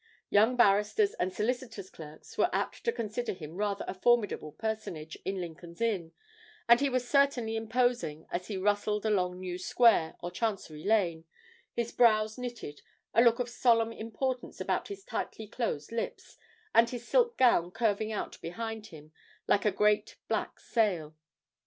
Young barristers and solicitors' clerks were apt to consider him rather a formidable personage in Lincoln's Inn; and he was certainly imposing as he rustled along New Square or Chancery Lane, his brows knitted, a look of solemn importance about his tightly closed lips, and his silk gown curving out behind him like a great black sail.